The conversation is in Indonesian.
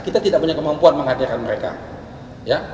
kita tidak punya kemampuan menghadirkan mereka